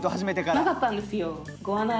なかったんですよ。